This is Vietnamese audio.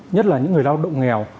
nhất là những người lao động nghèo